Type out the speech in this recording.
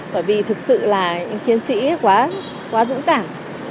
bởi vì thực sự là những chiến sĩ quá dũng cảm